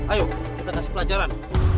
ayo kita kasih pelajaran